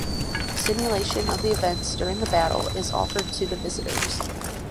Simulation of the events during the battle is offered to the visitors.